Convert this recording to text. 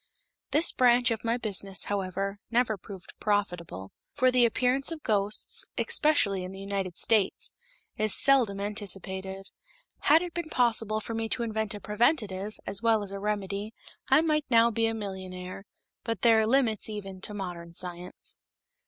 This branch of my business, however, never proved profitable, for the appearance of ghosts, especially in the United States, is seldom anticipated. Had it been possible for me to invent a preventive as well as a remedy, I might now be a millionaire; but there are limits even to modern science.